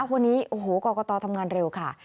วันนี้โอ้โหกรกตทำงานเร็วค่ะ